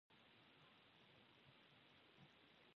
پر هوښیاري باندې باور لرو.